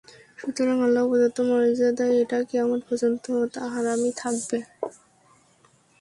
সুতরাং আল্লাহ প্রদত্ত মর্যাদায় এটা কিয়ামত পর্যন্ত তা হারমই থাকবে।